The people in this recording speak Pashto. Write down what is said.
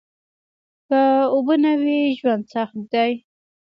که اوبه نه وي ژوند سخت دي